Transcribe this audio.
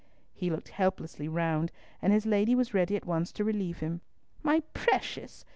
He looked helplessly round, and his lady was ready at once to relieve him. "My precious!